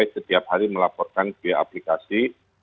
setiap hari melaporkan via aplikasi